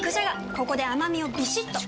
ここで甘みをビシッと！